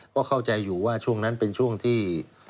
ก็เข้าใจอยู่ว่าช่วงนั้นเป็นช่วงที่